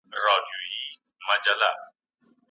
هغه کسان چې د روغتیا په اړه مجلې لولي، ډېر پوهیږي.